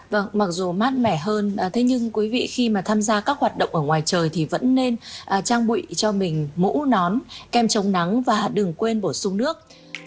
vâng mặc dù mát mẻ hơn thế nhưng quý vị khi mà tham gia các hoạt động ở ngoài trời thì vẫn nên trang bị cho mình mũ nón kem chống nắng và đừng quên bổ sung nước